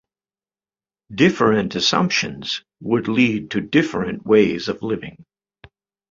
Different assumptions would lead to different ways of living.